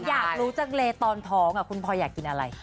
อยากรู้จังเลยตอนท้องคุณพลอยอยากกินอะไร